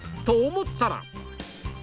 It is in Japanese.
思ったら